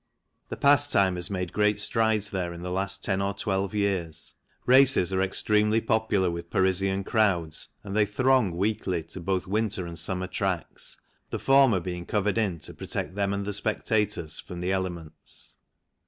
The pastime has made great strides there in the last ten or twelve years. Races are extremely popular with Parisian crowds and they throng weekly to both winter and summer tracks, the former being covered in to protect them and the spectators from the elements.